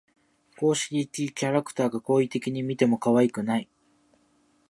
公式キャラクターが好意的に見てもかわいくない